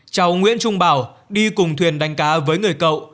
cháu nguyễn trung bảo đi cùng thuyền đánh cá với người cậu